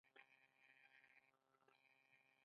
د لرګیو فابریکې د سیندونو په غاړه وې.